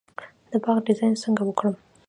د باغ ډیزاین څنګه وکړم؟